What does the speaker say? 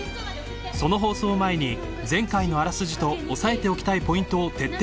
［その放送を前に前回の粗筋と押さえておきたいポイントを徹底解説！］